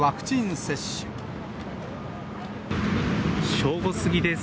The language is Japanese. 正午過ぎです。